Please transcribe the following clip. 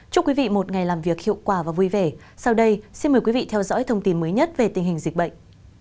chúc quý vị một ngày làm việc hiệu quả và vui vẻ sau đây xin mời quý vị theo dõi thông tin mới nhất về tình hình dịch bệnh